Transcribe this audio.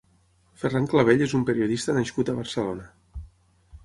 Ferran Clavell és un periodista nascut a Barcelona.